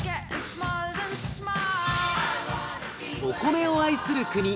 お米を愛する国